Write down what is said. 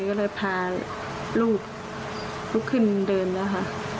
ก็เลยพาลูกลุกขึ้นเดินแล้วค่ะ